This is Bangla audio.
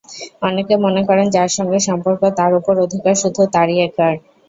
অনেকে মনে করেন, যার সঙ্গে সম্পর্ক তার ওপর অধিকার শুধু তার-ই একার।